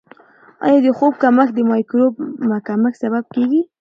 آیا د خوب کمښت د مایکروبونو کمښت سبب کیږي؟